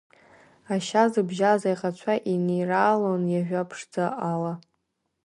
Ашьа зыбжьаз аиӷацәа еинираалон иажәа ԥшӡа ала.